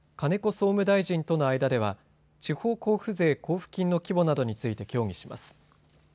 総務大臣との間では地方交付税交付金の規模などについて協議します。